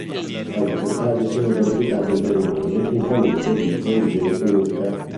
Altri tre casi si sono verificati in Germania in famiglie di origine turca.